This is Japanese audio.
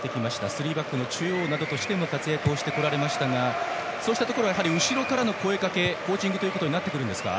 スリーバックの中央としても活躍してこられましたがそうしたところは後ろからの声かけ、コーチングとなってくるんですか？